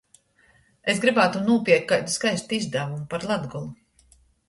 Es grybātum nūpierkt kaidu skaistu izdavumu par Latgolu.